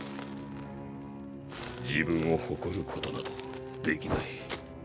自分を誇ることなどできない。